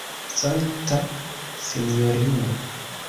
Sankta sinjorino!